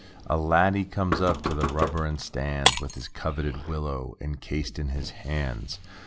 A laddie comes up to the rubber and stands With his coveted willow encased in his hands.